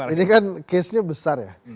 ini kan case nya besar ya